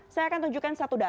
saya akan tunjukkan satu data